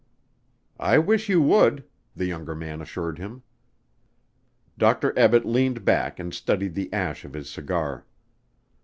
"I wish you would," the younger man assured him. Dr. Ebbett leaned back and studied the ash of his cigar.